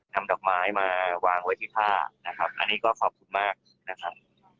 ดอกไม้มาวางไว้ที่ผ้านะครับอันนี้ก็ขอบคุณมากนะครับ